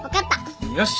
よし。